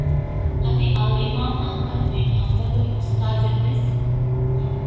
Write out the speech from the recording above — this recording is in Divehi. އަދި އަލްއިމާމު އަޙްމަދު ބިން ޙަންބަލުގެ އުސްތާޒެއްވެސް